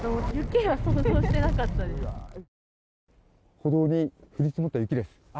歩道に降り積もった雪です。